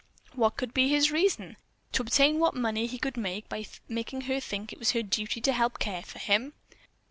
What could be his reason? To obtain what money he could by making her think it her duty to help care for him.